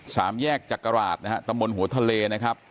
สามแยกจากกระหลาดนะฮะตะมนต์หัวทะเลนะครับ